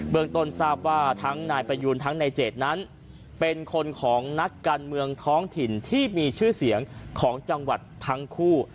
เมืองต้นทราบว่าทั้งนายประยูนทั้งในเจดนั้นเป็นคนของนักการเมืองท้องถิ่นที่มีชื่อเสียงของจังหวัดทั้งคู่